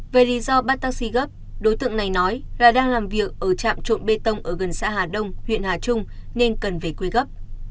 về lý do bắt taxi gấp đối tượng này nói là đang làm việc ở trạm trộn bê tông ở gần xã hà đông huyện hà trung nên cần về quê gấp